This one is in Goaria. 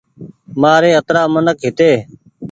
مآري اترآ منک هيتي